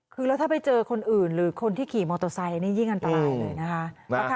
คือแล้วถ้าไปเจอคนอื่นหรือคนที่ขี่มอเตอร์ไซค์นี่ยิ่งอันตรายเลยนะคะ